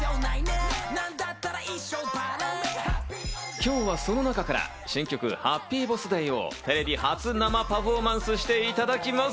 今日はその中から新曲『ＨａｐｐｙＢｏｓｓＤａｙ』をテレビ初生パフォーマンスしていただきます。